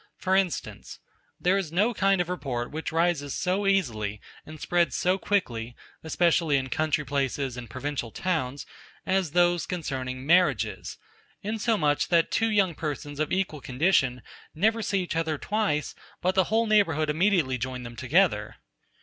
For instance: There is no kind of report which rises so easily, and spreads so quickly, especially in country places and provincial towns, as those concerning marriages; insomuch that two young persons of equal condition never see each other twice, but the whole neighbourhood immediately join them together.